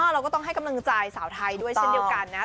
เราก็ต้องให้กำลังใจสาวไทยด้วยเช่นเดียวกันนะ